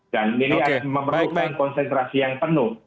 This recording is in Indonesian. dan ini memerlukan konsentrasi yang penuh